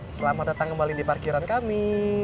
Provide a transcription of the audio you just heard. selamat datang kembali di parkiran kami